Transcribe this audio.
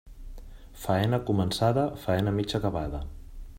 Faena començada, faena mig acabada.